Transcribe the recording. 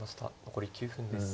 残り９分です。